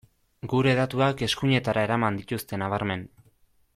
Gure datuak eskuinetara eraman dituzte nabarmen.